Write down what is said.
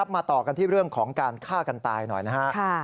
มาต่อกันที่เรื่องของการฆ่ากันตายหน่อยนะครับ